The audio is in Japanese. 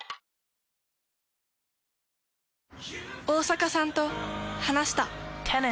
大坂さんと話した。